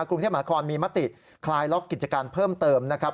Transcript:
กรุงเทพมหาคอนมีมติคลายล็อกกิจการเพิ่มเติมนะครับ